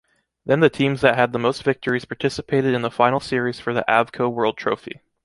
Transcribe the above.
Then the teams that had the most victories participated in the final series for the Avco World Trophy.